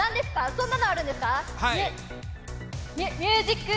そんなのあるんですか。